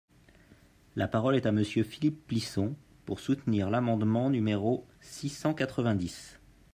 La parole est à Monsieur Philippe Plisson, pour soutenir l’amendement numéro six cent quatre-vingt-dix.